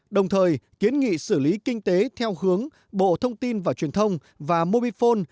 đồng thời kiến nghị xử lý kinh tế theo hướng bộ thông tin và truyền thông và mobifone